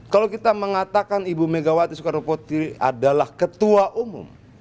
kalau kita mengatakan ibu megawati soekarno putri adalah ketua umum